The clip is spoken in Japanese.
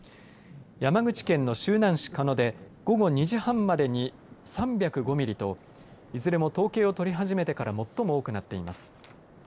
山口県の周南市鹿野で午後２時半までに３０５ミリといずれも統計を取り始めてから最も多くなっています。